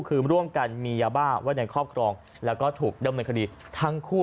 คือร่วมกันมียาบ้าไว้ในครอบครองแล้วก็ถูกดำเนินคดีทั้งคู่